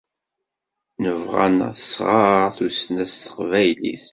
Nebɣa ad nesɣeṛ tussna s teqbaylit